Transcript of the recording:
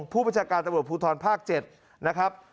ผู้ประชาการประบบภูทรภาค๗นะครับ